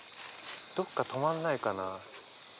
どっか止まんないかな。